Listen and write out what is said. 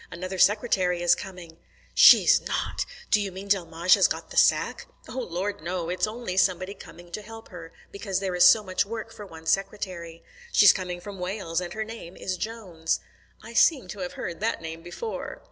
Another secretary is coming." "She's not! D'you mean Delmege has got the sack?" "Oh, Lord, no! It's only somebody coming to help her, because there is so much work for one secretary. She's coming from Wales, and her name is Jones." "I seem to have heard that name before."